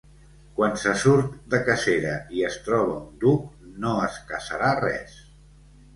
Quan se surt de cacera i es troba un duc no es caçarà res.